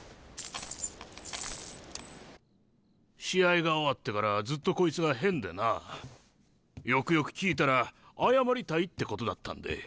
試合が終わってからずっとこいつが変でなよくよく聞いたら謝りたいってことだったんで。